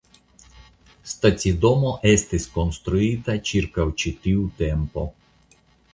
Stacidomo estis konstruita ĉirkaŭ ĉi tiu tempo.